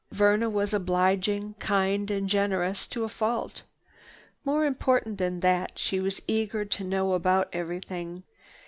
Verna was obliging, kind and generous to a fault. More important than that, she was eager to know about everything.